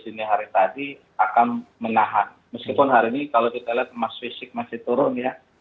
dini hari tadi akan menahan meskipun hari ini kalau kita lihat emas fisik masih turun ya